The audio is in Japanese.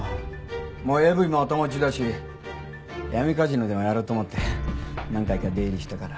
もうＡＶも頭打ちだし闇カジノでもやろうと思って何回か出入りしたから。